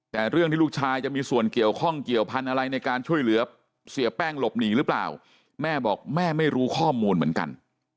แต่เรื่องที่ลูกชายจะมีส่วนเกี่ยวข้องเกี่ยวพันธุ์อะไรในการช่วยเหลือเสียแป้งหลบหนีหรือเปล่าแม่บอกแม่ไม่รู้ข้อมูลเหมือนกัน